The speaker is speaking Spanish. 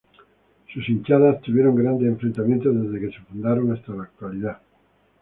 Sus hinchadas tuvieron grandes enfrentamientos desde que se fundaron hasta la actualidad.